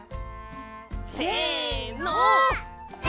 せの！